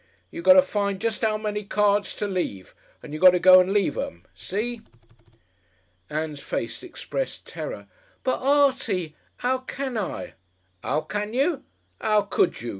You got to find jest 'ow many cards to leave and you got to go and leave 'em. See?" Ann's face expressed terror. "But, Artie, 'ow can I?" "'Ow can you? 'Ow could you?